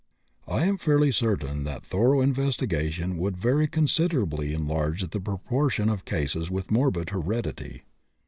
I am fairly certain that thorough investigation would very considerably enlarge the proportion of cases with morbid heredity.